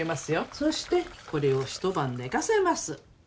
そしてこれを一晩寝かせます。